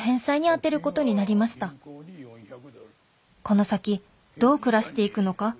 この先どう暮らしていくのか